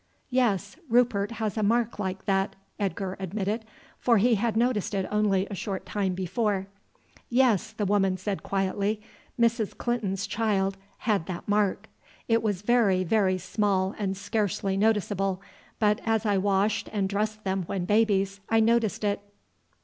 "Yes, Rupert has a mark like that," Edgar admitted, for he had noticed it only a short time before. "Yes," the woman said quietly. "Mrs. Clinton's child had that mark. It was very, very small and scarcely noticeable, but as I washed and dressed them when babies, I noticed it."